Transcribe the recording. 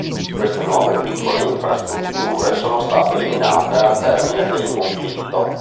Queste nuove piccole infrastrutture sono state eliminate al termine del conflitto.